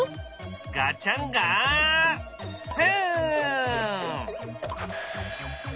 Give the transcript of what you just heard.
ガチャンガフン！